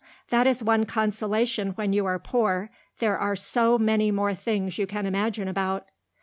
That is one consolation when you are poor there are so many more things you can imagine about."